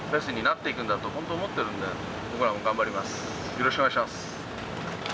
よろしくお願いします。